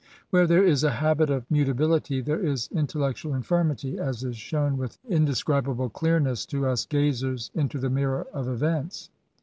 Where there is a habit of mutability, there is intellectual infirmity, as is shown, with indescribable clearness, to us gazers into the mirror of events.